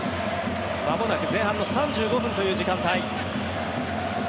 まもなく前半の３５分という時間帯。